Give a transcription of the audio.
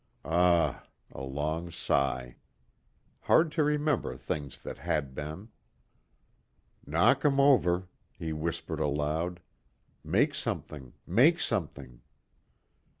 Ah, a long sigh. Hard to remember things that had been. "Knock 'em over," he whispered aloud. "Make something ... make something."